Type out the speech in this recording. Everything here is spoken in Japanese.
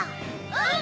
うん！